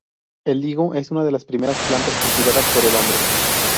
El higo es una de las primeras plantas cultivadas por el hombre.